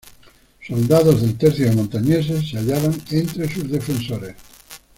Soldados del Tercio de Montañeses se hallaban entre sus defensores.